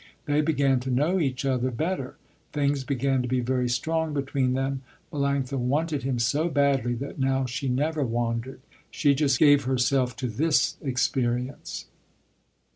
They began to know each other better. Things began to be very strong between them. Melanctha wanted him so badly that now she never wandered. She just gave herself to this experience.